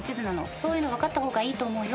そういうの分かった方がいいと思うよ。